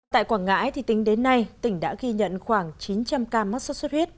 tại quảng ngãi tính đến nay tỉnh đã ghi nhận khoảng chín trăm linh ca mắc sốt xuất huyết